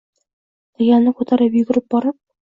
Laganni ko’tarib, yugurib borib